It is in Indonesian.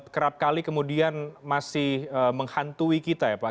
kerap kali kemudian masih menghantui kita ya pak